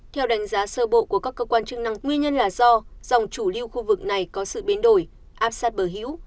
theo đánh giá sơ bộ của các cơ quan chức năng nguyên nhân là do dòng chủ lưu khu vực này có sự biến đổi áp sát bờ hữu